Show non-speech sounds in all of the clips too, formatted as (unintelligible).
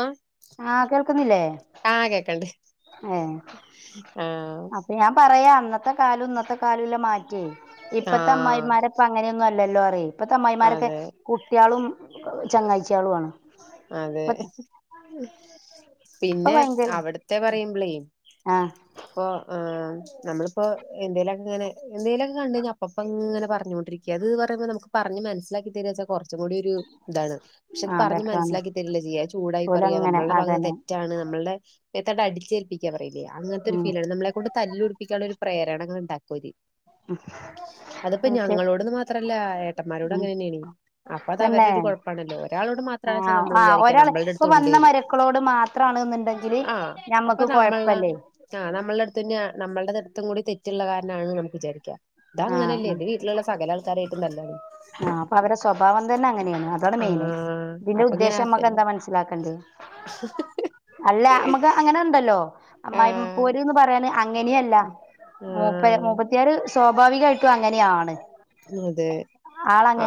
ആഹ് ആഹ് കേൾക്കുന്നില്ലേ? ആഹ് കേക്ക്ണ്ട് ഏഹ് അപ്പൊ ഞാൻ പറയാ അന്നത്തെ കാലം ഇന്നത്തെ കാലല്ല മാറ്റേ ഇപ്പത്തെ ആഹ് അമ്മായിമാരെപ്പ അങ്ങനെയൊന്നും അല്ലല്ലോ പറയ് ഇപ്പത്തെ അമ്മായിമാരൊക്കെ അതെ കുട്ടികളും ചങ്ങായിചളാണ് അതെ ഇപ്പ ഇപ്പ പിന്നെ ഭയങ്കര അവിടുത്തെ പറയുമ്പളേ ആഹ് ഇപ്പൊ നമ്മളിപ്പോ എന്തേലൊക്കെ ഇങ്ങനെ എന്തേലൊക്കെ കണ്ട് കഴിഞ്ഞ അപ്പപ്പം ഇങ്ങനെ പറഞ്ഞൊണ്ടിരിക്കും (unintelligible) അത് പറയുമ്പോ നമക്ക് പറഞ്ഞ് മനസിലാക്കി തരാവച്ചാ കു കുറച്ചും കൂടി ഒരു ഇതാണ് പക്ഷെ അത് ആഹ് പറഞ്ഞ് ബെറ്ററാണ് മനസ്സിലാക്കി തരില്ലേ ചെയ്യാ ചൂടായി പറയാ ഓലങ്ങനെ നമ്മളുടെ ഭാഗത്ത് തെ അതന്നെ നമ്മള്ടെ മേത്ത് അടിച്ചേൽപ്പിക്കാൻ പറയില്ലേ അങ്ങനത്തെ ഒരു ഉം ഫീലാണ് നമ്മളെക്കൊണ്ട് തല്ലുടിപ്പിക്കാനുള്ള ഒരു പ്രേരണകൾ ഉണ്ടാക്കും ഓര് അത്പ്പോ ഓക്കെ ഞങ്ങളോടുന്ന് മാത്രല്ല (unintelligible) ഉം അങ്ങനെന്നെനി അപ്പ അത് തന്നെ അവരുടെ ഒരു കുഴപ്പാണല്ലോ ഒരാളോട് മാത്രണെച്ച നമ്മള് വിചാരിക്കും ഒരാൾ ഇപ്പൊ വന്ന മരക്കളോട് മാത്രാണ് ഇണ്ടെങ്കില് ആഹ് അപ്പൊ ഞമ്മക്ക് നമ്മള കൊഴപ്പല്ലേ ആഹ് നമ്മൾടെ അടുത്ത് തന്നെ നമ്മളുടെ അടുത്തും കൂടി തെറ്റുള്ള കാരണാണെന്ന് നമുക്ക് വിചാരിക്കാം ഇത് ആഹ് അങ്ങനെയല്ലേ ആഹ് ഇത് വീട്ടിലുള്ള സകല ആൾക്കാരായിട്ടും തല്ലൂടും ആഹ് അപ്പൊ അവരെ സ്വഭാവം തന്നെ അങ്ങനെയാണ് അതാണ് മെയിന് ആഹ് ഇതിന്റെ അപ്പൊ ഇങ്ങനെ ഉദ്ദേശം ഹസ്ബൻഡ് നമ്മക്കെന്താ മനസ്സിലാക്കണ്ടേ അല്ല നമുക്ക് അങ്ങനെ ഉണ്ടല്ലോ അമ്മായി ആഹ് പോര്ന്ന് പറയാന് അങ്ങനെയല്ല മുപ്പ ആഹ് മുപ്പത്തിയാറ് സ്വാഭാവികായിട്ടും അങ്ങനെയാണ് അതെ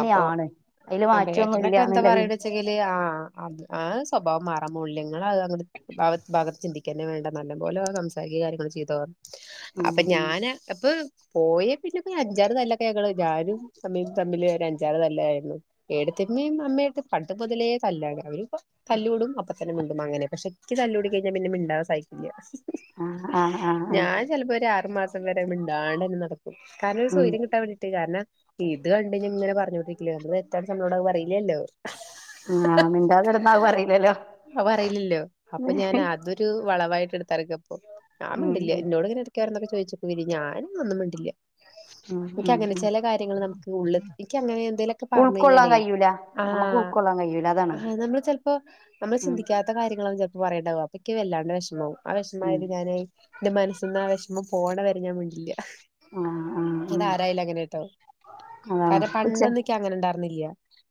അപ്പൊ അയില് ആഹ് മാറ്റൊന്നുല്ല ഏട്ടനൊക്കെ എന്താ എന്നുള്ളതിൽ പറയ്ണ വ വെച്ചെങ്കില് ആഹ് ആഹ് സ്വഭാവം മാറാൻ പോണില്ല ഇങ്ങള് അത് ഭാ ഭാഗത്ത് ചിന്തിക്കന്നെ വേണ്ട നല്ല പോലെ സംസാരിക്കുക കാര്യങ്ങൾ ചെയ്തോ ഉം അപ്പൊ ഉം ഞാന് അപ്പൊ പോയി. പിന്നെ അഞ്ചാറ് തല്ലൊക്കെ ഞങ്ങള് ഞാനും അമ്മയും തമ്മിൽ അഞ്ചാറ് തല്ലായിരുന്നു. എടത്തിമ്മയും അമ്മായിട്ട് പണ്ട് മുതലേ തല്ലാണ് അവരിപ്പോ തല്ലൂ കൂടും അപ്പൊ തന്നെ മിണ്ടും അങ്ങനെ പക്ഷേ ഇൻക്ക് തല്ലൂടി കഴിഞ്ഞാ പിന്നെ മിണ്ടാൻ സയിക്കൂല്ല. ആഹ് ആഹ് ആഹ് ആഹ്. ചെല്പ്പോ ഒരു ആറ് മാസം വരെ മിണ്ടാണ്ടങ്ങനെ നട്ക്കും കാരണം ഒരു ഉം സ്വയ്ര്യം കിട്ടാൻ വേണ്ടീട്ട് കാരണം. ഇത് കണ്ട് കഴിഞ്ഞ ഇങ്ങനെ പറഞ്ഞോണ്ടിരിക്കില്ല നമ്മള് തെറ്റാ നമ്മളോട് അഹ് പറയില്ലല്ലോ. ആഹ് മിണ്ടാതിരുന്നാ അത് പറയില്ലല്ലോ അത് പറയില്ലല്ലോ അപ്പൊ ഞാൻ അത്. ഒരു വളവായിട്ട് എടുത്താലൊക്കെ ഇപ്പോ ഞാൻ ഉം മിണ്ടില്ല ഉം എന്നോട് ഇങ്ങനെ. കെട്ന്നക്കെ ചോയിച്ക്കെ പിന്നെ ഞാൻ ഒന്നും മിണ്ടില്ല. ഉം ഇക്ക് ഉം അങ്ങനെ ഉം ചെല കാര്യങ്ങള് നമുക്ക് ഉള്ള് ഇക്ക് അങ്ങനെ എന്തേലെക്കെ പറഞ്ഞ് ഉൾക്കൊള്ളാൻ കഴിഞ്ഞാലേ. കഴിയൂല നമ്മക്ക് ആഹ് ഉൾക്കൊള്ളാൻ കഴിയൂല അതാണ് ആഹ് നമ്മള് ചെലപ്പോ നമ്മൾ ഉം ചിന്തിക്കാ ത്ത കാര്യങ്ങളാക്കെ ചെലപ്പോൾ പറയ്ണ്ടാവ അപ്പൊക്ക് വല്ലാണ്ട് വേഷ്മാവും ആഹ് ഉം വെഷ്മായാല് ഞാന്. ന്റെ മനസ്സിന്ന് ആഹ് വെഷ്മം പോണ വരെ ഞാൻ മിണ്ടില്ല. ആഹ് ആഹ് ഉം അത് ആരായാലും അങ്ങനെട്ടോ. അതാണ് കാരണം ച്ചെ പണ്ടൊന്നും ഇക്ക് അങ്ങനെ ഇണ്ടായിരുന്നില്ല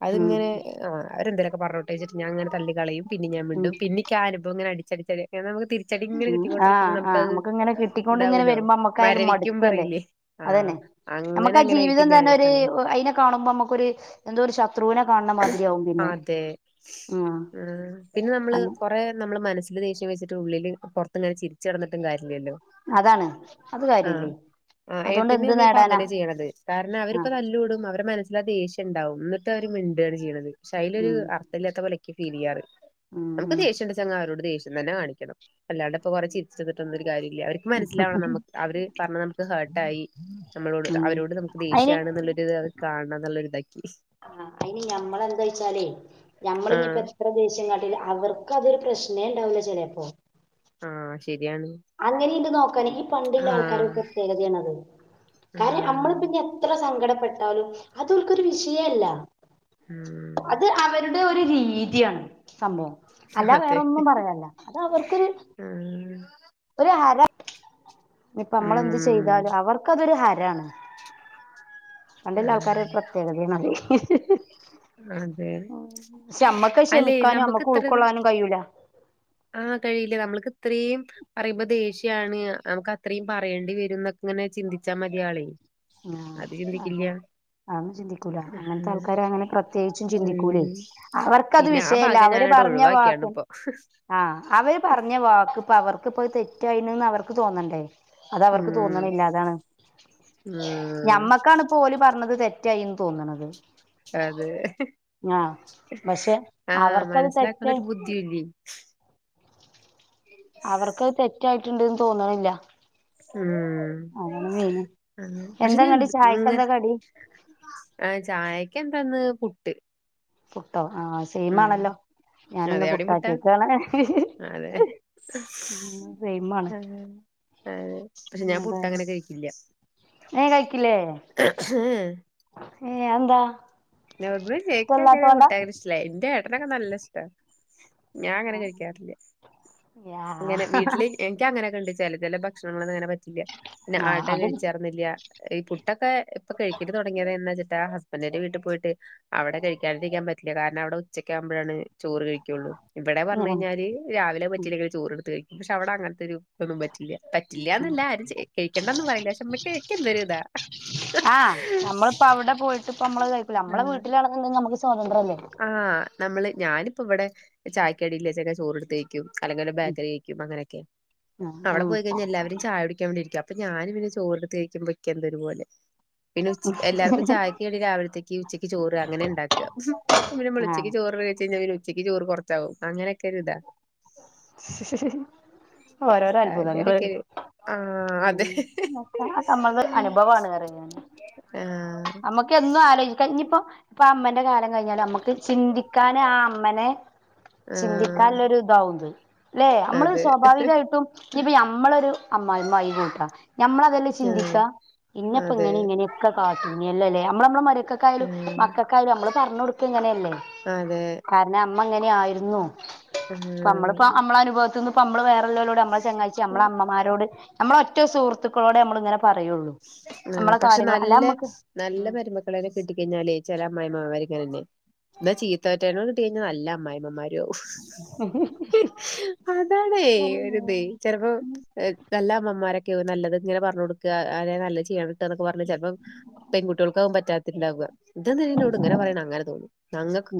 അത് ഉം ഇങ്ങനെ. ആഹ് അവരെ എന്തേലൊക്കെ പറഞ്ഞോട്ടെ വച്ച് ഞാൻ അങ്ങനെ തള്ളി കളയും പിന്നിം ഞാൻ ഉം മിണ്ടും പിന്നിം. ഇന്ക്കാ ആഹ് അനുഭവം ഇങ്ങനെ അടിച്ചടിച്ച് ഒര് നമുക്ക് തിരി ഉം ആഹ് ആഹ് നമുക്ക് ഇങ്ങനെ കിട്ടിക്കൊണ്ടിങ്ങനെ ഇതാവൂലോ വരുമ്പോ നമുക്കായാലും മരവിക്കും മട്ക്കല്ലേ. പറയില്ലേ ആ അതന്നെ അങ്ങനെ നമുക്ക് ആഹ് അങ്ങനെ ആയിട്ട് ജീവിതം തന്നെ ഞാനിപ്പ ഒര് അങ്ങനെ അയിനെ കാണുമ്പോ നമുക്കൊര്. എന്തോ ഒരു ശത്രുവിനെ കാൺണ മാതിരിയാവും പിന്നെ അതെ ആഹ് അ കുറെ നമ്മള് മനസ്സില് ദേഷ്യം വെച്ചിട്ട് ഉള്ളില് പെറ്ത്ത് ഇങ്ങനെ ചരിച്ച് നടന്നിട്ടും കാര്യല്ലല്ലോ. അതാണ് അത് കാര്യല്ലേ. അതുകൊണ്ട് ഏട്ടനും എന്ത് അമ്മയും ഇപ്പം നേടാനാ അങ്ങനെ ചെയ്യ്ണത് കാരണം ആ അവരിപ്പോ നല്ല. തല്ലൂടും അവരെ മനസ്സിലാ ദേഷ്യണ്ടാവും എന്നിട്ട് അവര് മിണ്ടാണ് ചെയ്യ്ന്നത് പക്ഷെ അയിലൊരു ഉം അ അർത്ഥല്ലാത്ത പോലെ ഇക്ക് ഫീല് ചെയ്യാർ ഉം നമുക്ക് ഉം ദേഷ്യണ്ട് വെച്ചങ്ങാ അവാരോട് ദേഷ്യം. തന്നെ കാണിക്കണം അല്ലാണ്ട്പ്പൊ കൊറെ ചിരിച്ച്ന്ന്ട്ട് ന്നൊരു കാര്യല്ല അവര്. മന്സ്സിലാവണം നമുക്ക് അവര് പറഞ്ഞത് നമുക്ക് ഹേർട്ട് ട്ടായി നമ്മളോട് ഉം അവരോട് നമുക്ക് അയിന് ദേഷ്യണ് എന്നുള്ളൊരുത് കാണാണം എന്നുള്ളരുതാ ഇക്കി. ആഹ് അയിനി ഞമ്മളെന്താച്ചാലേ ആ ഞമ്മളിഞിപ്പോ. എത്ര ദേശ്യം കാട്ടിൽ അവർക്ക് അതൊരു പ്രശ്നേണ്ടാവൂല ചെലപ്പോ. ആഹ് ശരിയാണ്. അങ്ങനെയണ്ട് നോക്കാന് ഈ ആ പണ്ടുള്ള ആൾക്കാരുടെ പ്രത്യേകതയാണത് ആ കാരണം നമ്മള് പിന്നെ. എത്ര സങ്കടപ്പെട്ടാലും അതൊൽക്കൊരു വിഷയേല്ല. ഉം. അത് അവരുടെ ഒരു രീതിയാണ് സംഭവം അല്ല വേറൊന്നും പറയാല്ല അത് അവർക്കൊരു. ആഹ്. ഒരു ഹര ഇപ്പ നമ്മളെന്ത് ഉം ചെയ്താലും അവർക്ക് അതൊരു ഹരാണ്. (inaudible) ആ പണ്ട്ള്ള ആൾക്കാരെ പ്രത്യേകതേ ആണത്. അതെ നമ്മക്ക് അല്ലെ ക്ഷമിക്കാനും നമ്മക്ക് നമുക്ക്ത്ര ത് ഉൾക്കൊള്ളാനും കഴിയൂല ആഹ് കഴിയില്ല നമ്മൾക്ക് ഇത്രയും. പറയുമ്പോ ദേഷ്യാണ് നമുക്ക് അത്രയും പറയേണ്ടി വരും എന്നൊക്കെ ഇങ്ങനെ ചിന്തിച്ചാ മതി ആൾ. ആഹ് അത്. അതൊന്ന് ചിന്തിക്കൂല അങ്ങനത്തെ ആൾക്കാരെ അങ്ങനെ പ്രത്യേകിച്ചും ചിന്തിക്കൂലേ ഉം അവർ. ത് പിന്നെ ആ വിഷയേല്ല ഭാഗം അവര് ഞാനങ്ങട് പറ്ഞ്ഞ ഒഴിവാക്കിയാണ് വക്കും ഇപ്പൊ ആഹ് അവര് പറ്ഞ്ഞ വക്ക് ഇപ്പൊ അവർക്ക് പ്പത് തെറ്റ്. റ്റയിന്ന് അവർക്ക് തോന്നണ്ടേ അത് അവർക്ക് ഉം തോന്നണ്ല്ലാ അതാണ്. ഉം ഞമ്മക്കാണ് ഇപ്പോ ഓല് പറ്ഞ്ഞത് തെറ്റായിന്ന് തോന്ന്ണത്. അതെ പക്ഷെ ആഹ് അവർക്കത് മനസ്സിലാക്കുള്ള തെറ്റായി ഒരു ബുദ്ധി ദ്ധില്ലെ. അവർക്ക് തെറ്റായിട്ടുണ്ട്ന്ന് തോന്ന്ണില്ല ഉം ആഹ് പക്ഷെ ഞാൻ എന്താങ്ങട്ട് ചായക്കെന്താ കടി (unintelligible) ആഹ് ചായക്ക് എന്താന്ന് പുട്ട് പുട്ടോ ആഹ് ഉം സെയിംമാണല്ലോ അതെ ഞാനിന്ന് അവിടെയും പുട്ടാ പുട്ടാക്കിയൊക്കാണ് അതെ സെയിമാണ് ആഹ് ആഹ് പക്ഷെ ഞാൻ പുട്ട് അങ്ങനെ കഴിക്കില്ല ഏഹ് കഴിക്കില്ലേ ഏഹ് അത്എന്താ (unintelligible) അങ്ങനെ പുട്ടാകെ ഇഷ്ടല്ല എന്റെ ഏട്ടനൊക്കെ നല്ല ഇഷ്ട ഞാന് അങ്ങനെ കഴിക്കാറില്ല ഇങ്ങനെ ആഹ് വീട്ടിലേക്ക് എനിക്ക് അങ്ങനെ കണ്ടിച്ചല് ചില ഭക്ഷണങ്ങളന്നും അങ്ങനെ പറ്റില്ല പിന്നെ അട അത് കഴിച്ചാർന്നില്ല ഈ പുട്ടൊക്കെ ഇപ്പൊ കഴിക്കല് തൊട്ങ്ങിയത് എന്നച്ചിട്ടാ ഹസ്ബൻഡിന്റെ വീട്ടിൽ പോയി അവിടെ കഴിക്കാതിരിക്കാൻ പറ്റില്ല കാരണം അവിടെ ഉച്ചക്ക് ആവുമ്പഴാണ് ചോറ് കഴിക്കുള്ളൂ ഇവിടെ ഉം പർഞ്ഞ്കഴിഞ്ഞാല് രാവിലെ പറ്റീല്ലെങ്കിൽ ചോറ്ടുത്ത് കഴിക്കും പക്ഷെ അവടെ അങ്ങൻത്തെരു ഇതൊന്നും പറ്റില്ല പറ്റില്ലാന്നല്ല ആരും ചെ കഴിക്കേണ്ടന്നും പറയില്ല പക്ഷെ മ്മക്ക് ഇക്കെന്തൊരു താ ആഹ് നമ്മളിപ്പ അവിടെ പോയിട്ട് ഇപ്പം നമ്മള് കഴിക്കൂല നമ്മളെ ആഹ് വീട്ടിലാണു എന്തെങ്കും നമുക്ക് സ്വാതന്ത്രം അല്ലേ ആഹ് നമ്മള് ഞാനിപ്പോ ഇവിടെ ചായക്കടില്ലേച്ചെ ചോറ്ടുത് കഴി അല്ലെങ്കിൽ ബേക്കറി കഴിക്കും അങ്ങനെയൊക്കെ അവിടെ ഉം പോയി കഴിഞ്ഞാ എല്ലാവരും ചായ കുടിക്കാൻ വേണ്ടിരിക്കും അപ അപ്പ ഞാന് പിന്നെ ചോറ്ട്ത്ത് കഴിക്കുമ്പോ ഇക്കെന്തരുപോലെ പിന്നെ ഉച്ചക്ക് എല്ലാർക്കും ചായക്ക് കടി രാവിലത്തേക്ക് ഉച്ചക്ക് ചോറ് അങ്ങനെ ഇണ്ടാക്ക അപ്പൊ പിന്നെ നമ്മള് ഉച്ചക്ക് ആഹ് ചോറ് ചോറ് വെച്ച് കഴിഞ്ഞാ ഒരു ഉച്ചക്ക് ചോറ് കൊർച്ചാവും അങ്ങനെയൊക്കെ ഒരു ഇതാ (inaudible) ഓരോരോ അത്ഭുതങ്ങള് അങ്ങനൊക്കെ ഒരു ആഹ് അതെ നമ്മള് ത് അനുഭവാണ് പറിയേ ഏഹ് ആഹ് നമ്മക്ക് എന്നും ആലോയ്ക്കാം ഇനിയിപ്പോ ഇപ്പൊ അമ്മന്റെ കാലം കഴിഞ്ഞാല് നമ്മുക്ക് ചിന്തിക്കാന് ആഹ് അമ്മനെ ആഹ് ചിന്തിക്കാള്ളൊരൂ ഇതാവുണ്ട് ല്ലെ നമ്മള് അതെ സ്വാഭാവികായിട്ടും ഇനിപ്പ നമ്മളൊരു അമ്മായി അമ്മായി കൂട്ടാ നമ്മള (unintelligible) ചിന്തിക്ക ആഹ് ഇന്നപ്പോ അതെ ഇങ്ങനെ ഇങ്ങനെയൊക്കെ കാട്ടീനിയല്ലോല്ലേ നമ്മള്. നമ്മുടെ മരിയെക്കെക്കായാലും ആഹ് മക്ക ക്കായാലും നമ്മള് പർഞ്ഞൊട്ക്ക ങ്ങനെയല്ലേ. അതെ കാരണം അമ്മ അങ്ങനെ ആയിരുന്നു ഇപ്പ ആഹ് നമ്മളിപ്പ നമ്മളെ അനുഭവത്തിൽ നിന്ന് ഇപ്പോ നമ്മള് വേറല്ലോരോട് നമ്മള് ചങ്ങായിചി ഞമ്മളെ അമ്മമാരോട് നമ്മള ഒറ്റ സുഹൃത്തുക്കളോടെ നമ്മളിങ്ങനെ പറയുള്ളു ആഹ് പക്ഷെ നല്ല നല്ല മരുമക മക്കളെെ കെട്ടിക്ക കഴിഞ്ഞാലേ ചെല അമായിമ്മമാരിക്കങ്ങനെന്നെ. എന്നാ ചീത്തവറ്റേനോ കിട്ടി കഴിഞ്ഞാ നല്ല അമായിമ്മമാരു ആവും. അതാണേ ഉം ഒരുതെ ചെൽപ്പോ നല്ല അമ്മമാരൊക്കെയാവും നല്ലത് ഇങ്ങനെ പറഞ്ഞോണ്ടുക്ക അതെ നല്ല ചെയ്യണട്ടോന്നൊക്കെ പറഞ് ചെൽപ്പം പെൺകുട്ടിയാൾക്കാവും പറ്റാത്തണ്ടാവ ഇത് എന്തിന ഇന്നോട് ഇങ്ങെന പറയണെ അങ്ങനെ തോന്നും.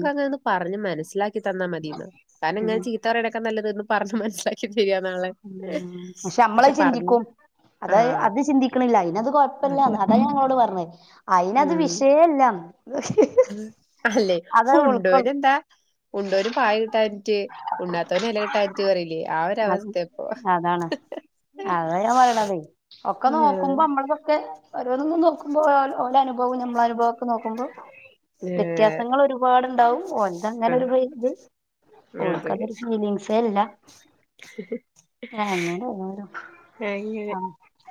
ഉം പറഞ്ഞ് മനസ്സിലാ ക്കി തന്നാമതിന്ന കാരണം ഉം ഇങ്ങന ചീത്തപറിണക്കാട്ടിലും നല്ലത് പറഞ്ഞ് മനസ്സിലാക്കി ചെയ്യാ നാളെ ഉം പക്ഷെ നമ്മളെത് ചിന്തിക്കും അതായ ആഹ് അത് ചിന്തി (unintelligible) അയ്നത് കൊഴ്പ്പല്ല അതെ അതാ ഞാങ്ങളോട് പറഞ്ഞേ അയ്നത് വിഷയേല്ല. അല്ലെ ഉൾക്കൊൾ ഉണ്ടോനന്താ? ഉണ്ടോനും പായൽ കിട്ടാനിട്ട് ഉണ്ണാത്തവനും എല കിട്ടാനിട്ട് പറയില്ലേ ആ അത് ഒരവസ്തേപ്പൊ. അതാണ് അത ഞാൻ പറയ്ണതേ ഒക്കെ നോക്കുമ്പോ ഉം നമ്മള്തൊക്കെ. ഓരോന്നും നോക്കുമ്പോ ഓ ഓലെ അനുഭവും നമ്മള അനുഭവം ഒക്ക നോക്കുമ്പോ ഏഹ് വ്യത്യാസങ്ങൾ ഒരുപാടുണ്ടാവും ഓൽതങ്ങനെരു ഇത് ആഹ് അതെ ഓല്ക്കതൊരു ഫീലിങ്സ് അല്ല. അങ്ങനെ ഓരോരോ - എങ്ങനെ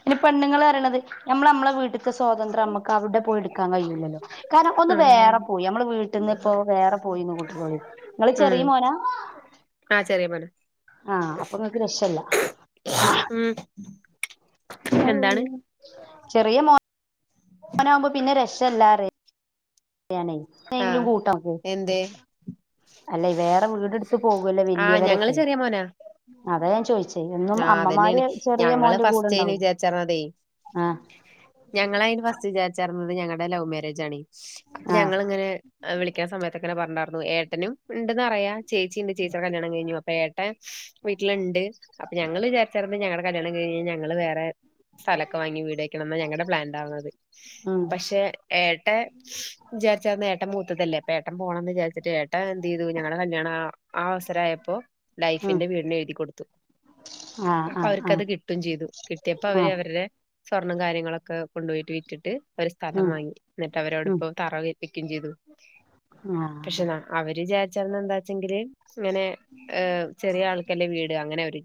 പിന്നെ പെണ്ണുങ്ങൾ പറയണത് നമ്മൾ നമ്മളെ വീട്ടിൽ. സ്വാതന്ത്രം നമുക്ക് അവിടെ പോയി എടുക്കാൻ കഴിയില്ലല്ലോ കാരണം ഒന്ന് ആഹ് വേറെ പോയി നമ്മൾ വീട്ട ട്ട്ന്ന് ഇപ്പോ വേറെ പോയിന്നു കൂട്ടികോളി, നിങ്ങള് ചെറിയ മോനാ? ആഹ ചെറിയ മോനാ. ആഹ അപ്പൊങ്ങക്ക് രക്ഷല്ല. ഉം എന്താണ് ചെറിയ മോന മോനാ ആകുമ്പോ പിന്നെ രക്ഷല്ലാ പറയാ ഞാനെ ന്തെങ്കിലും ആഹ് കൂട്ടാക്കും. എന്തേ? അല്ലെ വേറെ വീടെടുത്ത് പോകൂല്ലോ ആഹ് ഞങ്ങള് വലിയവരൊക്കെ ചെറിയ മോനാ അതാ ഞാൻ ചോയിച്ചെ. എന്നും ആഹ് അമ്മമാര് അതന്നെയാണ് ചെറിയ ഞങ്ങള് മോന്റെ ഫസ്റ്റ്ന് കൂടെണ്ടാവും ആഹ. ഞങ്ങള അതിന് ഫസ്റ്റ് വിചാരിച്ചഞ്ഞത് ഞങ്ങളുടെ ലവ് മാരേജ ആണ് അപ്പൊ ആഹ് ഞങ്ങളിങ്ങനെ. വിളിക്കണ സമയത്തൊക്കനെ പറഞ്ഞണ്ടായിരുന്നു ഏട്ടനും ഉണ്ടന്ന് അറിയ ചേച്ചി ഉണ്ട് ചേച്ചിയുടെ കല്യാണം കഴിഞ്ഞു. ഏട്ടന് വീട്ടിലുണ്ട് അപ്പൊ ഞങ്ങള് വിചാരിച്ചറി ഞങ്ങളുടെ കല്യാണം കഴിഞ്ഞ് ഞങ്ങള് വേറെ. സ്ഥലമൊക്കെ വാങ്ങി വീടക്കണന്ന ഞങ്ങളടെ പ്ലാൻ ഉണ്ടാവുന്നത് ഉം പക്ഷെ ഏട്ടൻ. വിചാരിച്ച ഏട്ട മൂത്തതല്ലേ അപ്പ ഏട്ടൻ പോകണംന്ന് വിചാരിച്ചട്ട് ഏട്ടൻഎന്ത് ചെയ്തു ഞങ്ങളടെ കല്യാണ ആ അവസരായപ്പോ ഉം ലൈഫിന്റെ വീടിന് എഴുതി കൊടുത്തു. ആഹ് അപ്പൊ ആഹ് അവർക്ക്ത് ആഹ് കിട്ടും ചെയ്തു കിട്ടിയപ്പോ അവര് ആഹ് അവരുടെ സ്വർണം കാര്യങ്ങളൊക്കെ കൊണ്ടുപോയിട്ട് വിറ്റിട്ട്. ഒരു സ്ഥലം ഉം വാങ്ങി എന്നിട്ട് അവരോട്ഇപ്പോ തറ വക്ക്പ്പിയും ചെയ്തു. ആഹ. അവര്ചാരിച്ചന്ന് എന്താ വച്ചെങ്കില് ഇങ്ങനെ ചെറിയ ആൾക്കല്ലെ വീട് അങ്ങനെ അവർ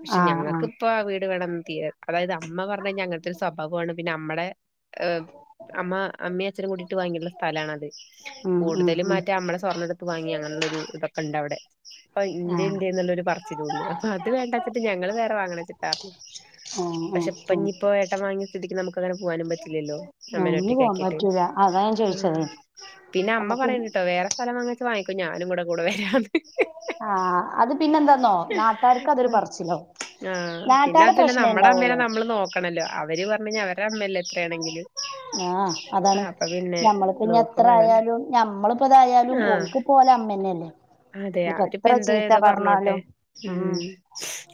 പക്ഷെ ആഹ് ഞങ്ങക്ക്. ആഹ് ഇപ്പൊ ആ വീട് വേണം തീ അതായത് അമ്മ പറഞ്ഞു കഴിഞ്ഞാൽ അങ്ങനത്തെ ഒരു സ്വഭാവമാണ് പിന്നെ അമ്മടെ ഏ അമ്മ അമ്മി അച്ഛനും കൂട്ടീട്ട് വാങ്ങിയിട്ടുള്ള സ്ഥലണത് ഉം ഉം കൂടുതലും ഉം മറ്റേ നമ്മളെ സ്വർണ്ണടുത്ത് വാങ്ങി അങ്ങനെയുള്ള ഒരു ഇതൊക്കെ ഉണ്ട് അവിടെ അപ്പൊ ഇന്റെ ആഹ് ഇന്റെ പറച്ചിലുംണ്ട് അപ്പോ. ത് വേണ്ടച്ചിട്ട് ഞങ്ങളൾ വേറെ വാങ്ങണച്ചിട്ടായിരുന്നു. ആഹ് പക്ഷെ ആഹ് ഇപ്പൊ ആഹ് ഇനിയിപ്പോ ഏട്ടൻ വാങ്ങിയ സ്ഥിതിക്ക് നമുക്ക് പ്പൊങ്ങനെ പോവാനും പറ്റില്ലല്ലോ. ആഹ് അമ്മേനെ ഇഞ്ഞ് ഒറ്റക്ക് പോവാൻ ആക്കിട്ട്. പറ്റൂല അതാ ഞാൻ ഉംഹ്. ചോയിച്ചതേ പിന്നെ അമ്മ നമ്മക്ക് പറയ്ണ്ട്ട്ടോ വേറെ സ്ഥലംവാങ്ങാൻ. ക്കൊ വാങ്ങിക്കൊ ഞാനുംക്കൂടെ കൂടെ വരാന്ന്. ആഹ് അത് പിന്നെന്താന്നോ നാട്ടാർക്കത്. പർച്ചിലാവും ആഹ് നാട്ടാര പ്രശ്നേ ഉണ്ടാവുള്ളു. ണല്ലോ അവര് പറഞ്ഞ് അവരെ അമ്മലെ എത്രയാണെങ്കിലും. ആഹ് അതാണ് ആഹ് അപ്പൊ പിന്നെ ഞമ്മളിപ്പോ ഇനി എത്ര നോക്കും വേണല്ലോ ആയാലും ഞമ്മളിപ്പോ ഇതായാലും ആഹ് ഓല്ക്ക്. പ്പോല അമ്മേന്നെ അല്ലേ. അതെ അവരിപ്പോ എന്താ ഏതോ പറഞ്ഞോട്ടെ ഉം ഉംഹ്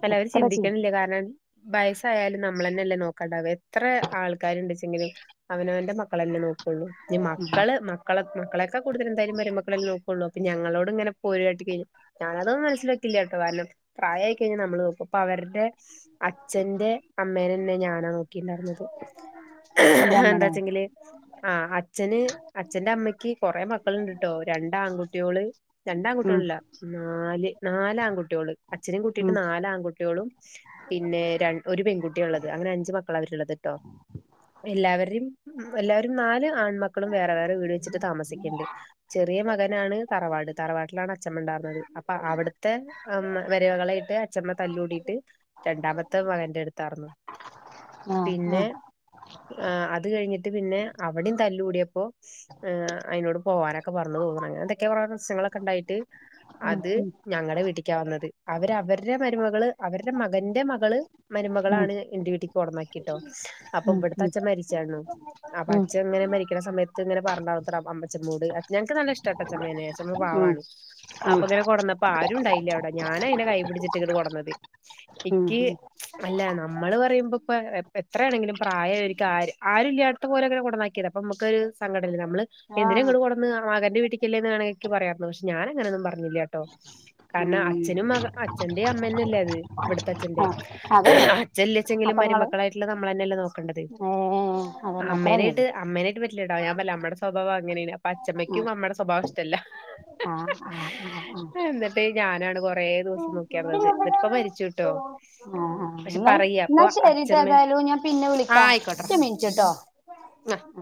അല്ല അവര് എത്ര ചീ ചിന്തിക്ക്ണില്ലേ കാരണം വയസ്സായാലും നമ്മളന്നെല്ലെ നോക്കാണ്ടാവ എത്ര ആൾക്കാരുണ്ട്ച്ചെങ്കിലും. അവന അവന്റെ മക്കളന്നെ നോക്കുള്ളൂ. ഇനി മക്കള് മക്കളെ മക്കളേക്കാൾ കൂടുതൽ എന്തായാലും മരുമക്കളല്ല നോക്കൊള്ളൂ അപ്പൊ ഞങ്ങളോട് ഇങ്ങനെ. പോര്കാട്ടി കഴിഞ്ഞ. ഞാനതും മനസ്സില് വെക്കില്ലട്ടോ കാരണം പ്രായായി കഴിഞ്ഞാൽ നമ്മള് നോക്കും അപ്പൊ അവരുടെ. അച്ഛന്റെ അമ്മേനന്നെ ഞാനാ നോക്കിണ്ടായിര്ന്നത്. അച്ഛന്റെ അമ്മനോ എന്താച്ചെങ്കില്. ആഹ് അച്ഛന് അച്ഛന്റെ അമ്മക്ക് കൊറെ മക്കൾ ഇണ്ട്ട്ടോ രണ്ട് ആൺകുട്ട്യോള് ഉം രണ്ടാൺകുട്ടികളല്ല, നാല് നാല് ആൺകുട്ട്യോള്, അച്ഛനും കുട്ടിയിട്ട് ഉം നാല് ആൺകുട്ട്യോളും. പിന്നെ രണ്ട ഒരു പെൺകുട്ടിയാ ഉള്ളത് അങ്ങനെ അഞ്ചു മക്കളാ അവരുള്ളത് ട്ടോ. എല്ലാവരിം എല്ലാവരും നാല് ആൺമക്കളും വേറെ വേറെ വീട് വെച്ചിട്ട് താമസിക്ക്ണ്ട്. ചെറിയ മകനാണ് തറവാട്. താറവാട്ടിലാണ് അച്ചമ്മ ഉണ്ടായിർന്നത്. അപ്പൊ അവിടുത്തെ അമ മരുമകളായിട്ട് അച്ചമ്മ തല്ലൂടിട്ട്. രണ്ടാമത്തെ മകന്റെ എടുത്താർന്നു. ആഹ് ആഹ് ആഹ് അത് കഴിഞ്ഞിട്ട് പിന്നെ അവടിം തല്ല് കൂടിയപ്പോ. ഏഹ് അയിനോട് പോവാനൊക്കെ പറഞ്ഞു തോന്നണ് അങ്ങത്തൊക്കെ കൊറേ പ്രശ്നങ്ങളൊക്കെ ഉണ്ടായിട്ട് ഉം അത്. ഉം ഞങ്ങടെ വീട്ടിക്കാ വന്നത്. അവര് അവരുടെ മരുമകള് അവരുടെ മകന്റെ മകള്. ഉം മരുമകളാണ് എന്റെ വീട്ടിക്ക് കൊടന്നെ കീട്ടോ അപ്പൊ ഉം ഇവിടുത്തെ ഉം അച്ഛൻ മരിച്ചായിരുന്നു അപ്പൊ ഉം അച്ഛൻ ഇങ്ങനെ മരിക്കണ സമയ. ത്ത് ഇങ്ങനെ പറഞ്ഞത്ര അമ്മച്ചമ്മോട് ഞങ്ങക്ക് നല്ല ഇഷ്ടാട്ടോച്ചമ്മേനെ അച്ഛമ്മ ഉം പാവാണ്. അപ്പൊ ഉം ഇങ്ങനെ കൊണ്ടുന്നപ്പ ആരും ഉണ്ടായില്ല അവിടെ. ഞാനാ അയിനെ കൈപിടിച്ചിട്ട് ഇങ്ങട് കൊണ്ടന്നത്. ഉം ക്ക് ഉം അല്ല നമ്മള് പറയുമ്പോ ഇപ്പ എത്രയാണെങ്കിലും പ്രായം ആയോര്ക്ക് ആര് ആരുല്ല്യ. ത്തപോലെങ്ങനെ കൊണ്ടുന്നാക്കിയതാ അപ്പൊ നമുക്കൊരു സങ്കടല്ലെ നമ്മള്. എന്തിനാ ആഹ് ഇങ്ങട് കൊണ്ടുന്നെ മകന്റെ വീട്ടിക്കല്ലേന്ന് വേണെ എനിക്ക് പറയാർന്നു. പക്ഷെ ഞാന് അങ്ങനൊന്നും പറഞ്ഞില്ലാട്ടോ. കാരണം ഉം അച്ഛനും മക അച്ഛന്റെയും അമ്മന്നല്ലേ അത് ഇവിടത്തെ അച്ഛന്റെ. ആഹ് അതന്നെ അച്ഛല്ലാച്ചെങ്കിലും അപ്പങ്ങള് മരുമക്കളായിട്ടുള്ള നമ്മളന്നെയല്ലേ നോക്കേണ്ടത്. ഏ അതന്നെ അത്രന്നെ അമ്മേനായിട്ട് ഉള്ളൂ അമ്മേനായിട്ട് പറ്റ. റ്റില്ലട്ടാ. ഞാൻ പറഞ്ഞില്ലേ അമ്മേടെ സ്വഭാവം അങ്ങനേണ്. അപ്പൊ അച്ചമ്മക്കും അമ്മേടെ സ്വഭാവം ഇഷ്ടല്ല. ആഹ് ആഹ് ആഹ് ആഹ്. എന്നിട്ട് ഞാനാണ് കൊറേ ദിവസം നോക്കിയാർന്നത് എന്നിട്ടിപ്പ മരിച്ചുട്ടോ ആഹ് ആഹ് പക്ഷെ എന്ന പറയാ എന്നാ അപ്പൊ ശെരിട്ടാ അച്ഛമ്മേ ഏതായാലും ഞാൻ പിന്നെ ആ വിളിക്കാം. ആയിക്കോട്ടെടാ ഒറ്റ മിനിറ്റ്ട്ടോ. (unintelligible)